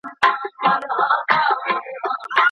تاریخ بې اتلانو نه دی.